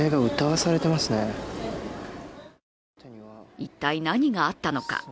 一体、何があったのか。